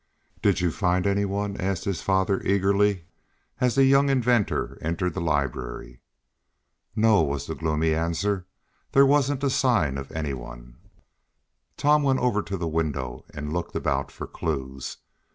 "Did you find any one?" asked his father eagerly as the young inventor entered the library. "No," was the gloomy answer. "There wasn't a sign of any one." Tom went over to the window and looked about for clues.